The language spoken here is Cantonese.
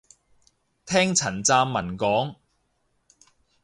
聽陳湛文講